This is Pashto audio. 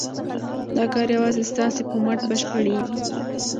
دا کار یوازې ستاسو په مټ بشپړېږي.